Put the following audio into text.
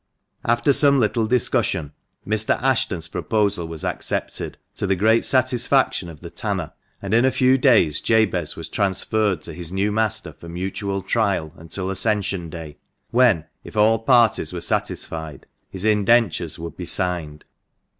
After some little discussion Mr. Ashton's proposal was accepted, to the great satisfaction of the tanner, and in a few days Jabez was transferred to his new master for mutual trial until Ascension Day, when, if all parties were satisfied, his indentures would be signed.